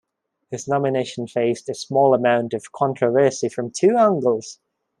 His nomination faced a small amount of controversy from two angles.